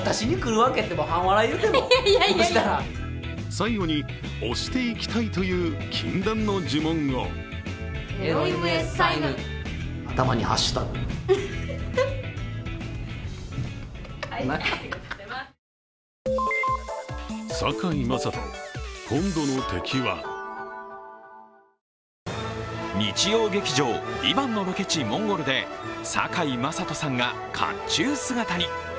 最後に推していきたいという禁断の呪文を日曜劇場「ＶＩＶＡＮＴ」のロケ地・モンゴルで堺雅人さんがかっちゅう姿に。